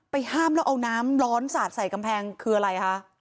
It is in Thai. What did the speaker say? ห้ามแล้วเอาน้ำร้อนสาดใส่กำแพงคืออะไรคะ